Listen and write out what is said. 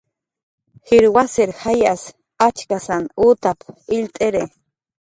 "Jir wasir jayas achkasan utap"" illt'iri"